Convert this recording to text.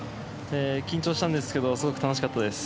緊張したんですけどすごく楽しかったです。